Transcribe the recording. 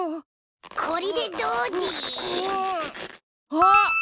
あっ！